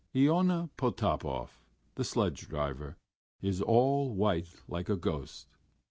Iona Potapov, the sledge driver, is all white like a ghost.